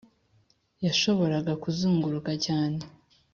yashoboraga kuzunguruka cyane